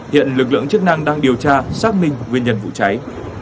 hiện lực lượng chức năng đang điều tra xác minh nguyên nhân vụ cháy